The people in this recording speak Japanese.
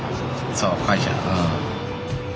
そう会社。